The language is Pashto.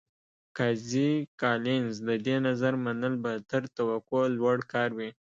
قاضي کالینز د دې نظر منل به تر توقع لوړ کار وي.